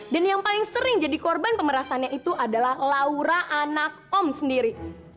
dan yang paling sering jadi korban pemerasannya itu adalah laura anak om sendiri